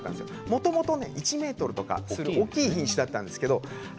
もともと１ｍとかする大きい品種だったんですけど